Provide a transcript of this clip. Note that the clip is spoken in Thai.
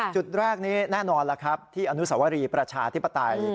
จุดแรกนี้แน่นอนล่ะครับที่อนุสวรีประชาธิปไตย